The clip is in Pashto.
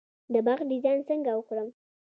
د باغ ډیزاین څنګه وکړم؟